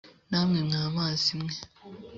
namwe mwa mazi mwe